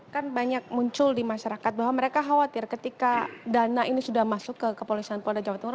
kan banyak muncul di masyarakat bahwa mereka khawatir ketika dana ini sudah masuk ke kepolisian polda jawa timur